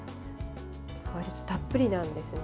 わりとたっぷりなんですね。